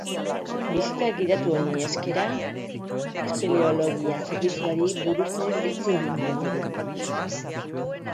Bisita gidatu honi eskera, espeleologia zerbitzuari buruz ez hitz egingo dugu.